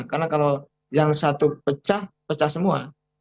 karena kalau yang satu pecah pecah semua